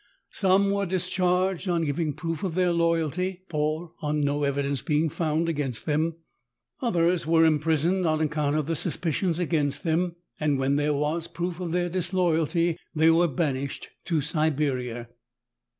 Some were discharged on giving proof of their loyalty, or on no evidence being found against them ; others were imprisoned on account of the suspicions against them, and when there was proof of their disloyalty they were banished to Siberia.